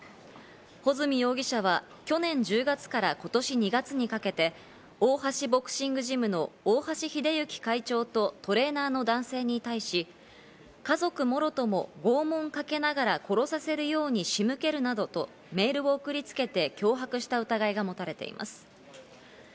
保住容疑者は去年１０月から今年２月にかけて、大橋ボクシングジムの大橋秀行会長とトレーナーの男性に対し、家族もろとも拷問かけながら殺させるように仕向けるなどとメールを送りつけて脅迫した疑いが持たれています。